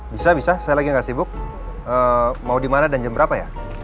bisa bisa saya lagi nggak sibuk mau di mana dan jam berapa ya